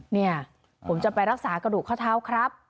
เนี่ยผมจะไปรักษากระดูกข้อเท้าครับ